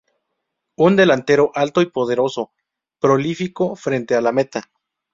Un delantero alto y poderoso, prolífico frente a la meta.